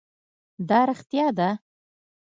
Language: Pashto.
دا رښتيا ده؟